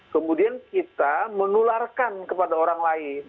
kemudian kita menularkan kepada orang lain